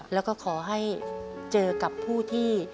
แล้วก็ขอให้เจอกับผู้ที่